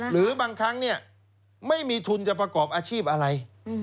หรือบางครั้งไม่มีทุนจะประกอบอาชีพอะไร